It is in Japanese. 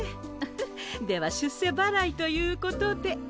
フフでは出世ばらいということで。